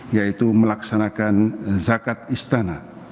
yaitu melaksanakan zakat istana